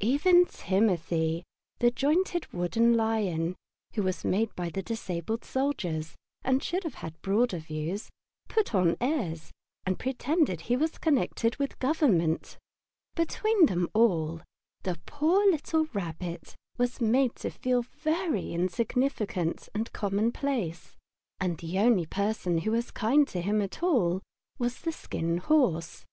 Even Timothy, the jointed wooden lion, who was made by the disabled soldiers, and should have had broader views, put on airs and pretended he was connected with Government. Between them all the poor little Rabbit was made to feel himself very insignificant and commonplace, and the only person who was kind to him at all was the Skin Horse.